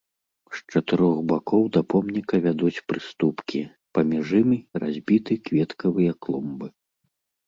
З чатырох бакоў да помніка вядуць прыступкі, паміж імі разбіты кветкавыя клумбы.